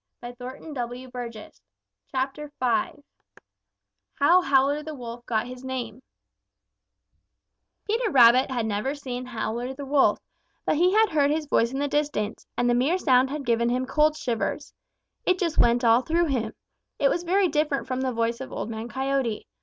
V HOW HOWLER THE WOLF GOT HIS NAME V HOW HOWLER THE WOLF GOT HIS NAME Peter Rabbit never had seen Howler the Wolf, but he had heard his voice in the distance, and the mere sound had given him cold shivers. It just went all through him. It was very different from the voice of Old Man Coyote.